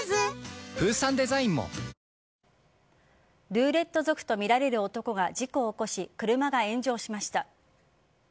ルーレット族とみられる男が事故を起こし車が炎上しました。